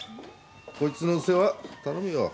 こいつの世話頼むよ。